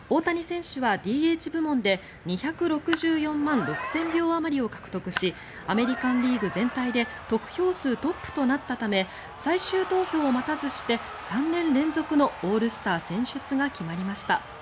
大谷選手はＤＨ部門で２６４万６０００票あまりを獲得しアメリカン・リーグ全体で得票数トップとなったため最終投票を待たずして３年連続のオールスター選出が決まりました。